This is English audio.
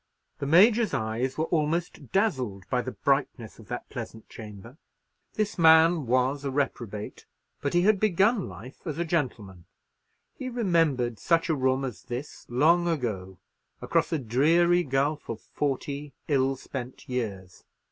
The Major's eyes were almost dazzled by the brightness of that pleasant chamber. This man was a reprobate; but he had begun life as a gentleman. He remembered such a room as this long ago, across a dreary gulf of forty ill spent years.